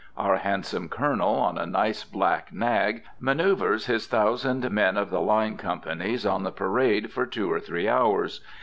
Our handsome Colonel, on a nice black nag, manoeuvres his thousand men of the line companies on the parade for two or three hours.